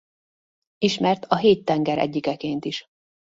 Ismert a Hét tenger egyikeként is.